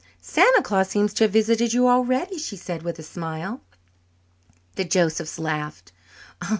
"Santa Claus seems to have visited you already," she said with a smile. The Josephs laughed.